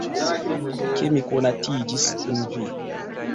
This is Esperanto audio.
Ke mi konatiĝis kun vi.